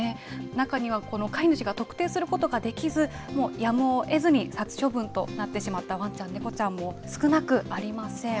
中にはこの飼い主が特定することができず、もうやむをえずに殺処分となってしまったわんちゃん、猫ちゃんも少なくありません。